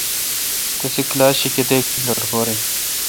تسے°کلاس شی کتیک لٹکور۔